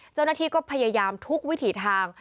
เจ้าหน้าที่ก็พยายามทุกวิถีทาง